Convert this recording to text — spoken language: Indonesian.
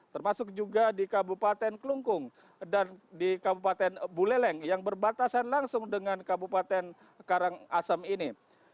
termasuk juga di kabupaten kelungkung dan di kabupaten buleleng yang berbatasan langsung dengan kabupaten karangasem ini